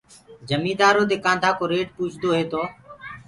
جميدآرو دي ڪآنڌآ ڪو ريٽ پوڇدو هي تو